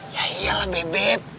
ya iyalah bebep